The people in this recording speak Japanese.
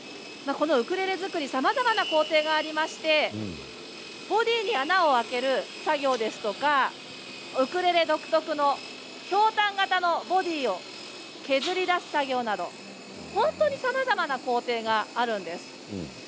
このウクレレ作りさまざまな工程がありましてボディーに穴を開ける作業ですとかウクレレ独特のひょうたん形のボディーを削り出す作業など、本当にさまざまな工程があるんです。